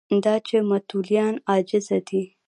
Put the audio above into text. دا چې متولیان عاجزه دي